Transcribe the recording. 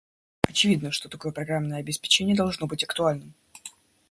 Очевидно, что такое программное обеспечение должно быть актуальным